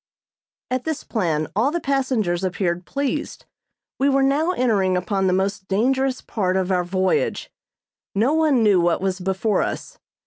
At this plan all the passengers appeared pleased. We were now entering upon the most dangerous part of our voyage. No one knew what was before us.